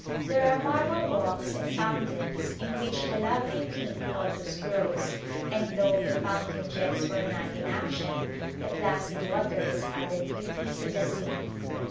There are marble walks and fountains in which the lovely pink lotus grows, and though the fountain jets were not in action the placid waters added beauty to the scene.